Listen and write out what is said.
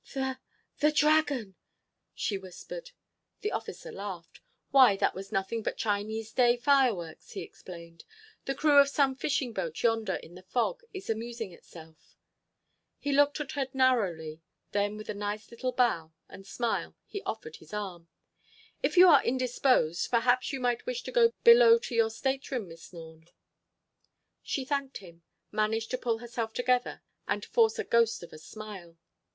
"The—the Dragon," she whispered. The officer laughed. "Why, that was nothing but Chinese day fireworks," he explained. "The crew of some fishing boat yonder in the fog is amusing itself." He looked at her narrowly, then with a nice little bow and smile he offered his arm: "If you are indisposed, perhaps you might wish to go below to your stateroom, Miss Norne?" She thanked him, managed to pull herself together and force a ghost of a smile.